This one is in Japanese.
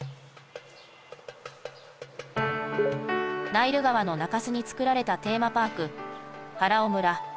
ナイル川の中州に造られたテーマパーク